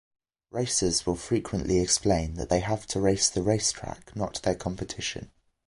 Racers will frequently explain that they have to race the racetrack, not their competition.